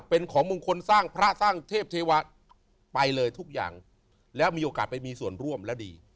เป็นของมงคลสร้างพระสร้างเทพเทวะไปเลยทุกอย่างแล้วมีโอกาสไปมีส่วนร่วมแล้วดี